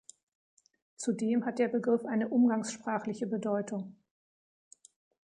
Zudem hat der Begriff eine umgangssprachliche Bedeutung.